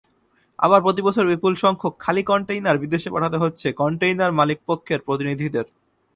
আবার প্রতিবছর বিপুলসংখ্যক খালি কনটেইনার বিদেশে পাঠাতে হচ্ছে কনটেইনার মালিকপক্ষের প্রতিনিধিদের।